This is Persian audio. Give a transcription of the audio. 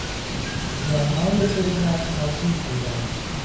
زیانهای شرکت ناچیز بودند.